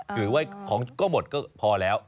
หรือว่าของก็หมดก็พอแล้ว